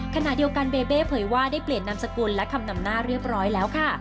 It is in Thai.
ขณะเดียวกันเบเบ้เผยว่าได้เปลี่ยนนามสกุลและคำนำหน้าเรียบร้อยแล้วค่ะ